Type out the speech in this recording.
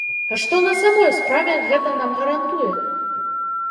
А што на самой справе гэта нам гарантуе?